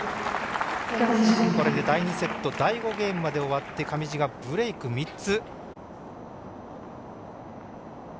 これで第２セット第５ゲームまで終わって上地がブレーク３つ。